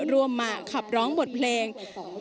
มาขับร้องบทเพลง